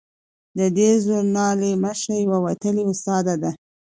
د دې ژورنال مشره یوه وتلې استاده ده.